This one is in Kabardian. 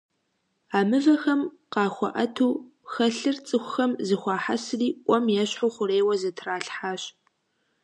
А мывэхэм къахуэӀэту хэлъыр цӀыхухэм зэхуахьэсри, Ӏуэм ещхьу хъурейуэ зэтралъхьащ.